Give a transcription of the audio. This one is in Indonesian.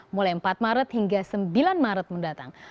mulai empat maret hingga sembilan maret mendatang